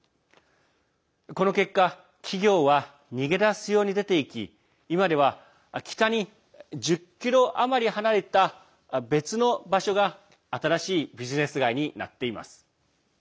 この結果、企業は逃げ出すように出ていき今では北に１０ｋｍ余り離れた別の場所が新しいビジネス街になっています。